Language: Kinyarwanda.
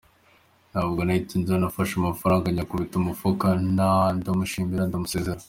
Ntabwo nabitinzeho nafashe amafranga nyakubita umufuka ndamushimira ndamusezera.